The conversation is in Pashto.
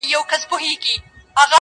زما وطن هم لکه غښتلی چنار-